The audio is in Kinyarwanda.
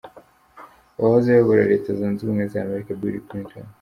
Uwahoze ayobora Leta Zunze Ubumwe z’Amerika, Bill Clinton.